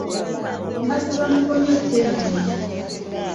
Mbasaba mukomye okutema emiti.